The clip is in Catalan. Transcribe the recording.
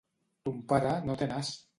Ton pare no té nas.